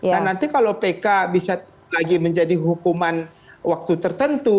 nah nanti kalau pk bisa lagi menjadi hukuman waktu tertentu